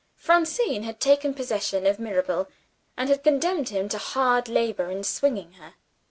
Francine had taken possession of Mirabel, and had condemned him to hard labor in swinging her.